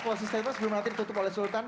kalau si statement sebelumnya ditutup oleh sultan